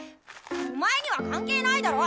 お前には関係ないだろ！